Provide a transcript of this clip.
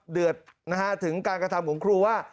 เดือดนะฮะถึงการกระทำของครูว่า